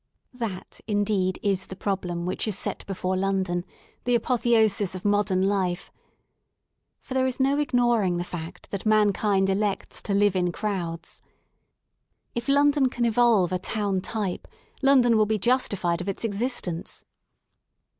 That indeed is the problem which is set before Lon don^ — the apotheosis of modern life. For there is no ignoring the fact that mankind elects to live in crowds. If London can evolve a town type London will be justified of its existence.